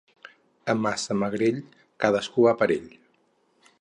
A Massamagrell, cadascú va a la d'ell.